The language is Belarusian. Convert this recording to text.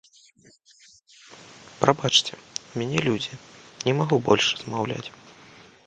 Прабачце, у мяне людзі, не магу больш размаўляць.